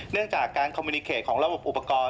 เนื่องจากการคอมมินิเคตของระบบอุปกรณ์